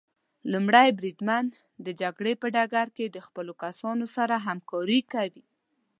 لومړی بریدمن د جګړې په ډګر کې د خپلو کسانو سره همکاري کوي.